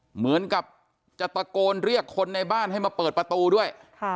เหมือนกับจะตะโกนเรียกคนในบ้านให้มาเปิดประตูด้วย